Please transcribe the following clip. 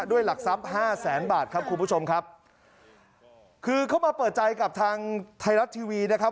หลักทรัพย์ห้าแสนบาทครับคุณผู้ชมครับคือเขามาเปิดใจกับทางไทยรัฐทีวีนะครับ